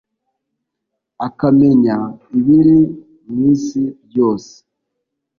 akamenya ibiri mu isi byose.